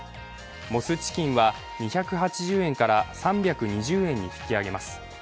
モスチキンは２８０円から３２０円に引き上げます。